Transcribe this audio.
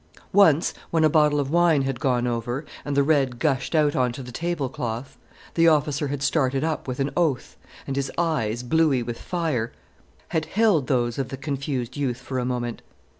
Once, when a bottle of wine had gone over, and the red gushed out on to the tablecloth, the officer had started up with an oath, and his eyes, bluey like fire, had held those of the confused youth for a moment.